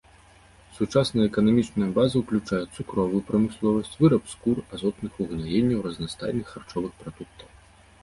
Сучасная эканамічная база ўключае цукровую прамысловасць, выраб скур, азотных угнаенняў, разнастайных харчовых прадуктаў.